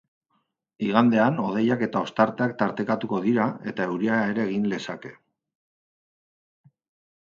Igandean, hodeiak eta ostarteak tartekatuko dira, eta euria ere egin lezake.